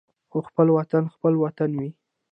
خو خپل وطن خپل وطن وي.